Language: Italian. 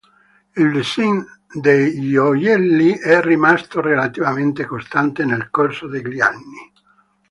Il design dei gioielli è rimasto relativamente costante nel corso degli anni.